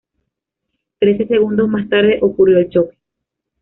Trece segundos más tarde, ocurrió el choque.